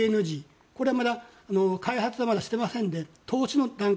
これはまだ開発はまだしてないです。